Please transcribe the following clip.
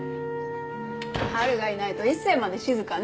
春がいないと一星まで静かね。